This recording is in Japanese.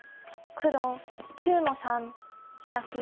黒９の三ヒラキ。